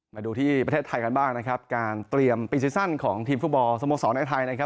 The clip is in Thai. มาดูที่ประเทศไทยกันบ้างนะครับการเตรียมปีซีซั่นของทีมฟุตบอลสโมสรในไทยนะครับ